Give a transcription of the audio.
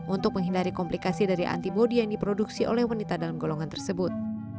untuk menghindari komplikasi dari antibody yang diproduksi oleh wanita dalam golongan tersebut